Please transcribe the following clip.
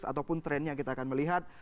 ataupun tren yang kita akan melihat